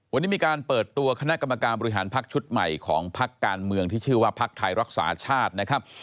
วันนี้มีการเปิดตัวคณะกรรมการบริหารพักชุดใหม่ของพักการเมืองที่ชื่อว่าพักไทยรักษาชาตินะครับ